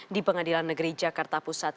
di pengadilan negeri jakarta pusat